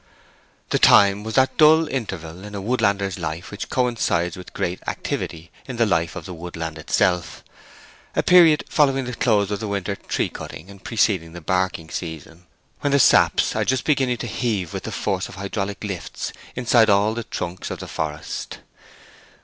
The time was that dull interval in a woodlander's life which coincides with great activity in the life of the woodland itself—a period following the close of the winter tree cutting, and preceding the barking season, when the saps are just beginning to heave with the force of hydraulic lifts inside all the trunks of the forest.